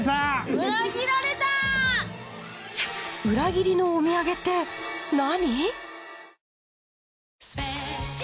うらぎりのお土産って何！？